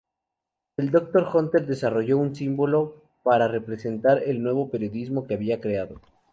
El Dr. Hunter desarrolló un símbolo para representar el nuevo periodismo que había creado.